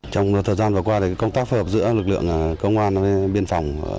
trong thời gian vừa qua công tác phối hợp giữa lực lượng công an với biên phòng